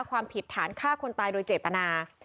ความผิดฐานฆ่าคนตายโดยเจตนา